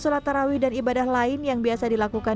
solat taraweeh dan ibadah lain yang biasa dilakukan